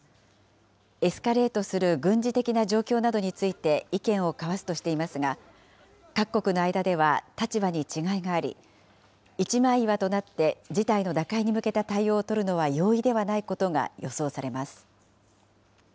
エスカレートする軍事的な状況などについて意見を交わすとしていますが、各国の間では立場に違いがあり、一枚岩となって事態の打開に向けた対応を取るのは容易ではないことが予想されます。